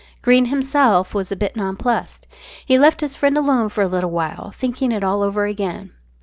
Greene himself was a bit non plussed. He left his friend alone for a little while, thinking it all over again.